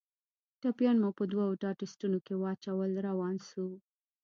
ټپيان مو په دوو ډاټسنو کښې واچول روان سو.